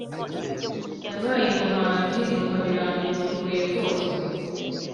Yabaye umuhanzi numva biranunguye rwose